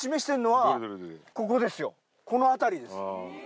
この辺りです。